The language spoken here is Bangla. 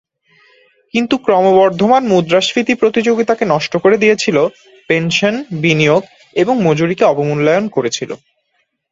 কিন্তু, ক্রমবর্ধমান মুদ্রাস্ফীতি প্রতিযোগিতাকে নষ্ট করে দিয়েছিল, পেনশন, বিনিয়োগ এবং মজুরিকে অবমূল্যায়ন করেছিল।